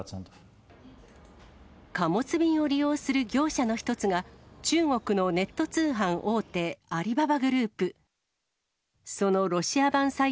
貨物便を利用する業者の一つが、中国のネット通販大手、アリババグループ。